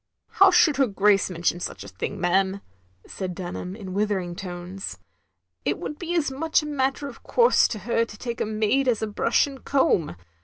" How should her Grace mention such a thing, ma'am, " said Dtmham, in withering tones. " It would be as much a matter of course to her to take a maid as a brush and comb.